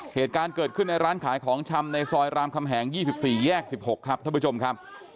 เหตุการณ์เกิดขึ้นในร้านขายของชำในซอยรามคำแหง๒๔แยก๑๖ครับท่านผู้ชมครับ